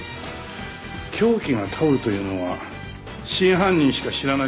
凶器がタオルというのは真犯人しか知らない事実。